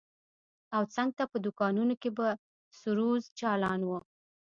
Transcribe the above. او څنگ ته په دوکانونو کښې به سروذ چالان و.